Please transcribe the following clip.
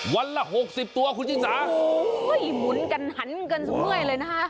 วันละหกสิบตัวคุณชิสาโอ้โหหมุนกันหันกันเมื่อยเลยนะคะ